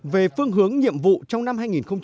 về phương hướng nhiệm vụ trong năm hai nghìn hai mươi